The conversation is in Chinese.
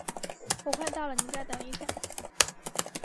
我快到了，你再等一下。